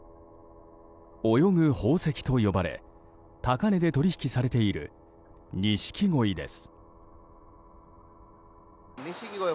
泳ぐ宝石と呼ばれ高値で取引されているニシキゴイです。